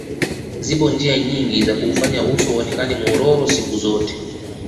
Zipo njia nyingi za kuufanya uso uonekane mwororo siku zote